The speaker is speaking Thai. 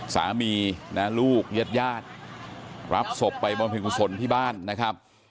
สามีนาลูกญาติรับศพไปบรรพิกษลที่บ้านนะครับ